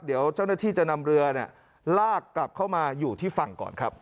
เดี๋ยวเจ้าหน้าที่จะนำเรือลากกลับเข้ามาอยู่ที่ฝั่งก่อนครับ